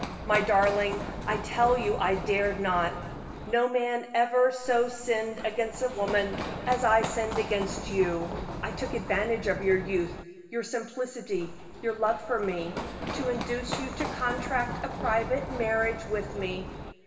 "My darling, I tell you I dared not. No man ever so sinned against a woman as I sinned against you. I took advantage of your youth, your simplicity, your love for me, to induce you to contract a private marriage with me.